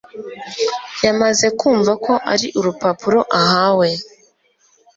yamaz kumva ko ari urupapuro ahawe,